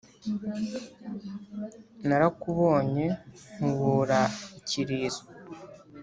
narakubonye nkubura ikirizo